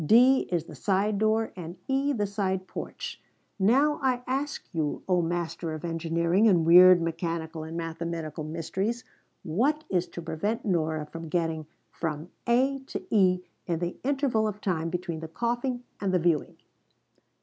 D is the side door and E the side porch. Now I ask you, oh master of engineering and weird mechanical and mathematical mysteries, what is to prevent Nora from getting from A to E in the interval of time between the coughing and the viewing?"